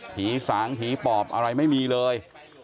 สางผีปอบอะไรไม่มีเลย